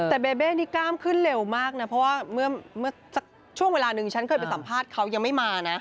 แต่เบเบ้นี่กล้ามขึ้นเร็วมากนะเพราะว่าเมื่อสักช่วงเวลานึงฉันเคยไปสัมภาษณ์เขายังไม่มานะ